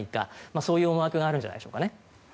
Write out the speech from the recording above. そういう思惑があるんじゃないでしょうか。